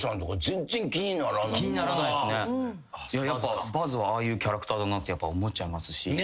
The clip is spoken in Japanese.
やっぱバズはああいうキャラクターだなって思っちゃいますし。